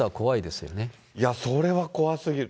いや、それは怖すぎる。